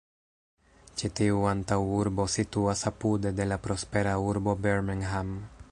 Ĉi tiu antaŭurbo situas apude de la prospera urbo Birmingham.